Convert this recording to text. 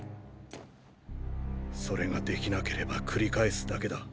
それができなければ繰り返すだけだ。